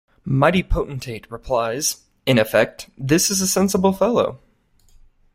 Mighty potentate replies, in effect: 'This is a sensible fellow.'